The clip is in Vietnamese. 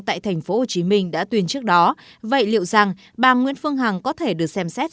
tại tp hcm đã tuyên trước đó vậy liệu rằng bà nguyễn phương hằng có thể được xem xét